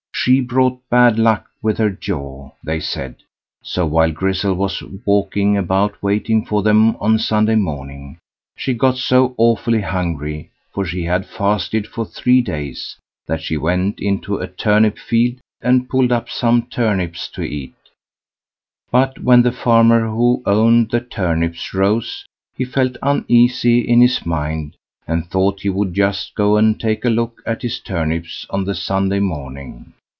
She brought bad luck with her jaw, they said; so while Grizzel was walking about waiting for them on Sunday morning, she got so awfully hungry—for she had fasted for three days—that she went into a turnip field and pulled up some turnips to eat. But when the farmer who owned the turnips rose, he felt uneasy in his mind, and thought he would just go and take a look at his turnips on the Sunday morning.